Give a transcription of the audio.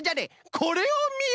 これをみよ！